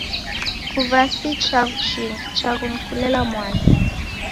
Kuva si chaghu chingi, chaghu ni kulela mwana.